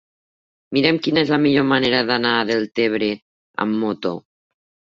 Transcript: Mira'm quina és la millor manera d'anar a Deltebre amb moto.